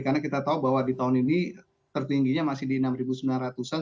karena kita tahu bahwa di tahun ini tertingginya masih di rp enam sembilan ratus an